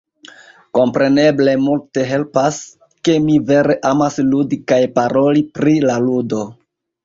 Kompreneble multe helpas, ke mi vere amas ludi kaj paroli pri la ludo.